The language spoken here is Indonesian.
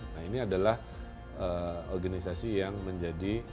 nah ini adalah organisasi yang menjadi